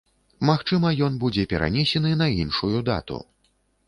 Магчыма, ён будзе перанесены на іншую дату.